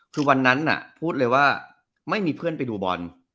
คือวันนั้นพูดเลยว่าไม่มีเพื่อนไปดูบอล